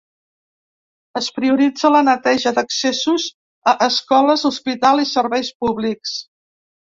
Es prioritza la neteja d'accessos a escoles, hospital i serveis públics.